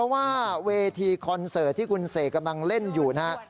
ว่าเวทีคอนเสิร์ตที่คุณเสกกำลังเล่นอยู่นะฮะ